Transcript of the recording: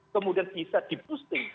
kemudian bisa dipusti